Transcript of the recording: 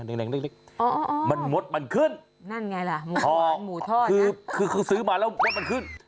แดงเล็กมันมดมันขึ้นอ๋อคือคือซื้อมาแล้วมดมันขึ้น